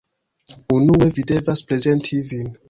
Unue, vi devas prezenti vin